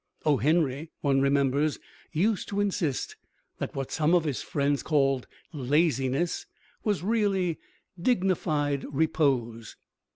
(O. Henry, one remembers, used to insist that what some of his friends called laziness was really "dignified repose.")